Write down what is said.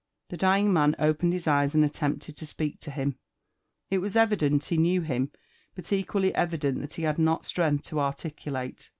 The dying man opened his eyes and attempted to speak to him. It was evifleiit ho knew li^m, but equally evident th^t he had n6t strength to articulate.